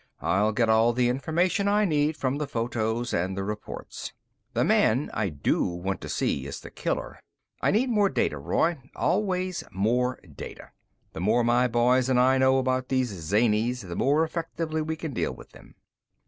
"I'll get all the information I need from the photos and the reports. The man I do want to see is the killer; I need more data, Roy always more data. The more my boys and I know about these zanies, the more effectively we can deal with them."